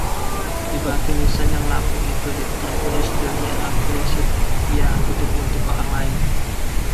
Di batu nisan yang lapuk itu tertulis, Johnny Appleseed Dia hidup untuk orang lain.